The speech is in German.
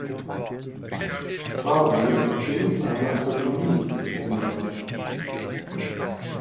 Kasimir in eine "Akademie" umgewandelt.